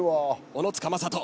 小野塚雅人